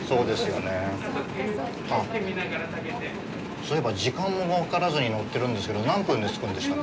そういえば、時間も分からずに乗ってるんですけど、何分で着くんでしたっけ？